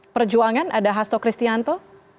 perjuangan ada hasto kristianto